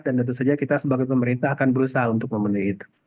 dan tentu saja kita sebagai pemerintah akan berusaha untuk memenuhi itu